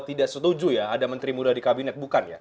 tidak setuju ya ada menteri muda di kabinet bukan ya